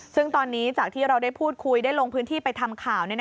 ซึ่งตอนนี้จากที่เราได้พูดคุยได้ลงพื้นที่ไปทำข่าว